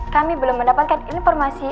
kami belum mendapatkan informasi